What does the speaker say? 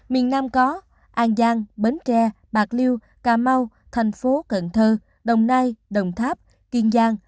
miền nam có an giang bến tre bạc liêu cà mau thành phố cần thơ đồng nai đồng tháp kiên giang